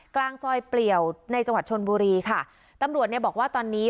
กลางซอยเปลี่ยวในจังหวัดชนบุรีค่ะตำรวจเนี่ยบอกว่าตอนนี้